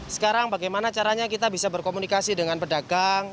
sekarang bagaimana caranya kita bisa berkomunikasi dengan pedagang